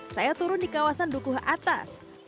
saya turun di kawasan dukuh atas